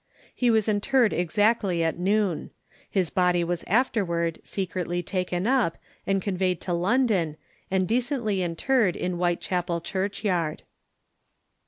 He was interred exactly at noon. His body was afterward secretly taken up, and conveyed to London, and decently interred in Whitechapel church yard.